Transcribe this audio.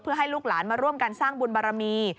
เพื่อให้ลูกหลานมาร่วมกันสร้างบุญบารมี